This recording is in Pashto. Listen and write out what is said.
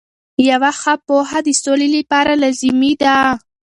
یوه ښه پوهه د سولې لپاره لازمي ده.